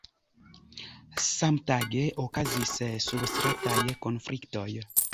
Samtage okazis surstrataj konfliktoj.